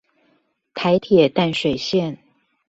台鐵淡水線